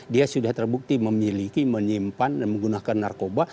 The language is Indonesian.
dia sudah terbukti memiliki menyimpan dan menggunakan narkoba